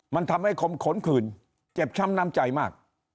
มันทำให้คมขนขื่นเจ็บช้ำน้ำใจมาก